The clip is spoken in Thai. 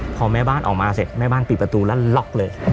พอแม่บ้านออกมาเสร็จแม่บ้านปิดประตูแล้วล็อกเลย